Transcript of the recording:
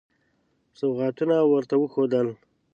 سوغاتونه ورته وښودل.